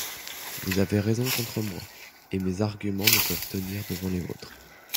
Vous avez raison contre moi, et mes arguments ne peuvent tenir devant les vôtres.